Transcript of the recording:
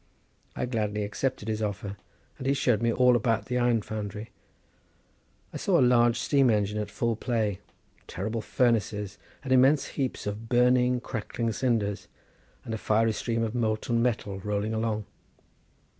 I gladly accepted his offer, and he showed me all about the iron foundry. I saw a large steam engine at full play, terrible furnaces, and immense heaps of burning, crackling cinders, and a fiery stream of molten metal rolling along.